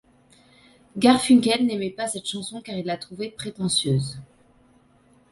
Garfunkel n'aimait pas cette chanson car il la trouvait prétentieuse.